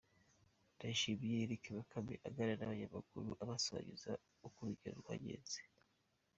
Ndayishimiye Eric Bakame aganira n'abanyamakuru abasangiza uko urugendo rwagenze.